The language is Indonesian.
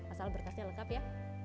asal berkasnya lengkap ya